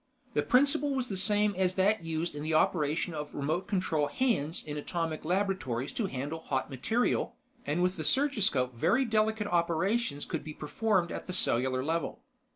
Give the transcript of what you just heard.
The principle was the same as that used in operation of remote control "hands" in atomic laboratories to handle hot material, and with the surgiscope very delicate operations could be performed at the cellular level.